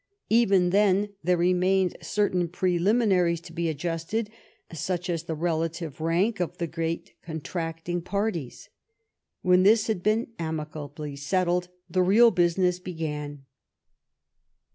Even then there remained certain preliminaries to be adjusted, such as the relative rank of the great contracting parties. When this had been amicably settled, the real business began.